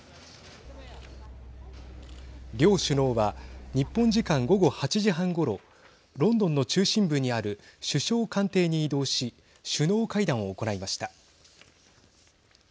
両首脳は日本時間午後８時半ごろロンドンの中心部にある首相官邸に移動し首脳会談を行いました。